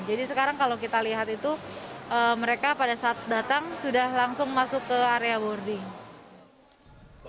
jadi sekarang kalau kita lihat itu mereka pada saat datang sudah langsung masuk ke area boarding